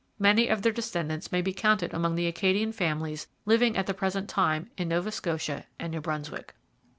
Many of their descendants may be counted among the Acadian families living at the present time in Nova Scotia and New Brunswick.